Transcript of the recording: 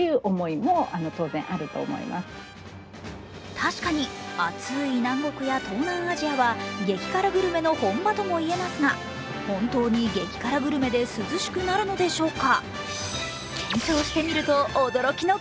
確かに暑い南国や東南アジアは激辛グルメの本場ともいえますが本当に激辛グルメで涼しくなるのでしょうか？